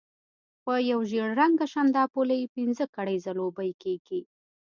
په یو ژېړ رنګه شانداپولي پنځه کړۍ ځلوبۍ کېږي.